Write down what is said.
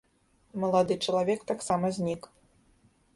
Малады чалавек таксама знік.